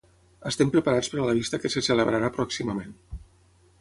Estem preparats per la vista que se celebrarà pròximament.